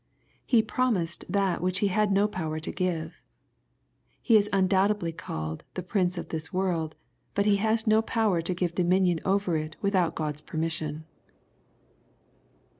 He promised that which ne had no power to give. He is undoubtedly called " prince of this world," but he has no power to give dominion over it without God's permission.